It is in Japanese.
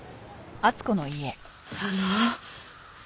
あの。